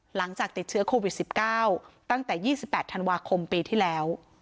หลังจากติดเชื้อโควิด๑๙ตั้งแต่๒๘ธันวาคมปีที่แล้ว